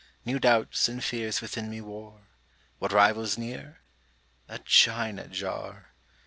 New doubts and fears within me war: What rival's near? a China jar.